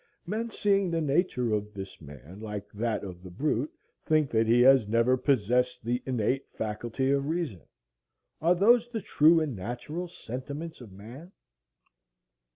Men seeing the nature of this man like that of the brute, think that he has never possessed the innate faculty of reason. Are those the true and natural sentiments of man?"